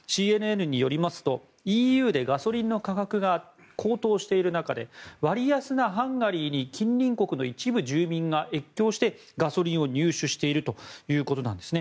ＣＮＮによりますとＥＵでガソリンの価格が高騰している中で割安なハンガリーに近隣国の一部住民が越境してガソリンを入手しているということです。